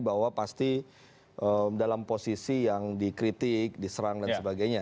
bahwa pasti dalam posisi yang dikritik diserang dan sebagainya